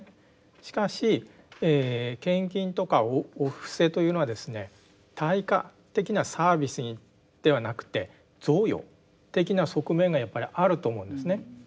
しかし献金とかお布施というのはですね対価的なサービスにではなくて贈与的な側面がやっぱりあると思うんですね。